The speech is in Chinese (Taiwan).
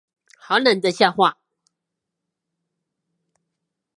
好冷的笑話